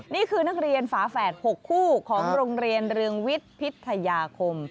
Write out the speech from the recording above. นี่คือนักเรียนฝาแฝด๖คู่ของโรงเรียนเรืองวิทย์พิทยาคม